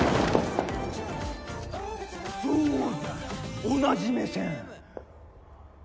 そうだ同じ目線。